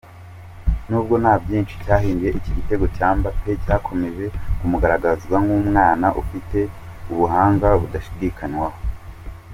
Nubwo nta byinshi cyahinduye, igitego cya Mbappe cyakomeje kumugaragaza nk'umwana ufite ubuhanga budashidikanywaho.